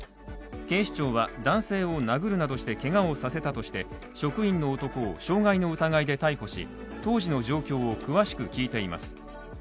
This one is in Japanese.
警視庁は男性を殴るなどしてけがをさせたとして職員の男を傷害の疑いで逮捕し当時の状況を詳しく聞いています。